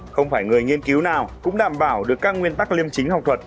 không phải người nghiên cứu nào cũng đảm bảo được các nguyên tắc liêm chính học thuật